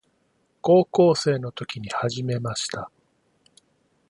高校生の時に始めました。